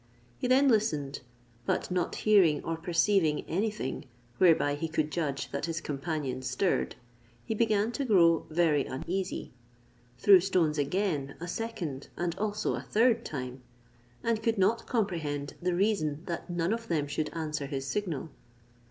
He then listened, but not hearing or perceiving any thing, whereby he could judge that his companions stirred, he began to grow very uneasy, threw stones again a second and also a third time, and could not comprehend the reason that none of them should answer his signal.